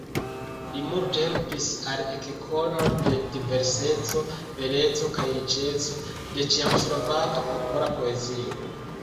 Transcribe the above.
Li multe helpis al ekkono de diverseco, beleco kaj riĉeco de ĉeĥoslovaka popola poezio.